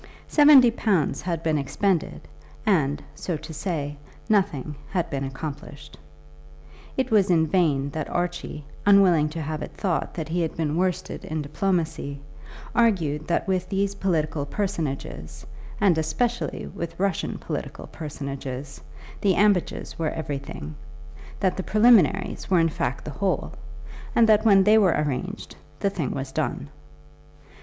Seventy pounds had been expended, and, so to say, nothing had been accomplished. It was in vain that Archie, unwilling to have it thought that he had been worsted in diplomacy, argued that with these political personages, and especially with Russian political personages, the ambages were everything, that the preliminaries were in fact the whole, and that when they were arranged, the thing was done.